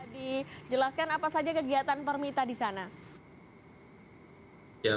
dijelaskan apa saja kegiatan permita di sana